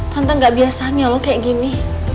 tante gak biasanya loh kayak gini